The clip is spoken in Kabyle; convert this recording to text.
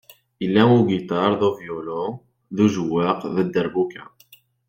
Yella ugiṭar d uvyulu, d ujawaq d dderbuka.